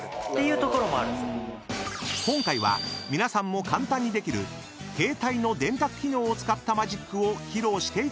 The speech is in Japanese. ［今回は皆さんも簡単にできる携帯の電卓機能を使ったマジックを披露していただきます］